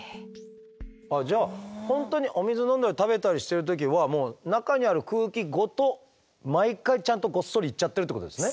じゃあ本当にお水飲んだり食べたりしてる時は中にある空気ごと毎回ちゃんとごっそりいっちゃってるってことですね。